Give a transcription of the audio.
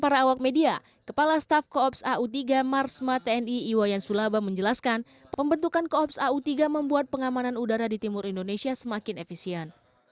para awak media kepala staf kops au tiga marsma tni iwayan sulaba menjelaskan pembentukan koops au tiga membuat pengamanan udara di timur indonesia semakin efisien